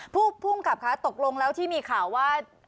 ผู้พูลงับตกลงแล้วที่มีข่าวว่า